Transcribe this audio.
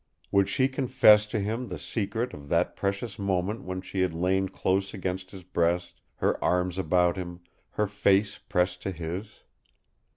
Would she confess to him the secret of that precious moment when she had lain close against his breast, her arms about him, her face pressed to his?